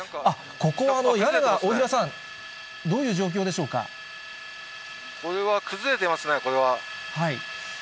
ここは屋根が、大平さん、どういこれは、崩れていますね、これは。